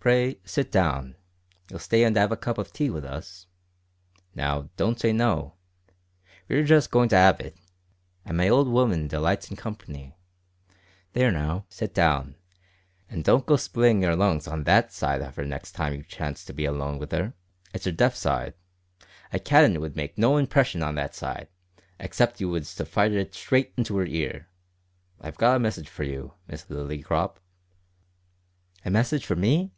Pray, sit down. You'll stay and 'ave a cup of tea with us? Now, don't say no. We're just goin' to 'ave it, and my old 'ooman delights in company. There now, sit down, an' don't go splittin' your lungs on that side of her next time you chance to be alone with her. It's her deaf side. A cannon would make no impression on that side, except you was to fire it straight into her ear. I've got a message for you, Miss Lillycrop." "A message for me?"